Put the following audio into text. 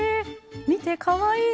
見てかわいい！